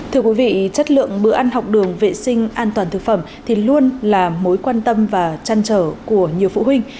thưa quý vị chất lượng bữa ăn học đường vệ sinh an toàn thực phẩm thì luôn là mối quan tâm và trăn trở của nhiều phụ huynh